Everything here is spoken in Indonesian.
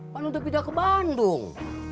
panudep pindah ke bandung